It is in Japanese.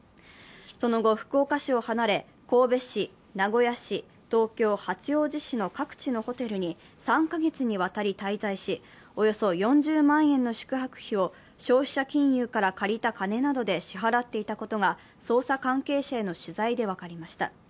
その後、福岡市を離れ、神戸市、名古屋市東京・八王子市の各地のホテルに３カ月にわたり滞在し、およそ４０万円の宿泊費を消費者金融から借りた金などで支払っていたことが捜査関係者への取材で分かりました。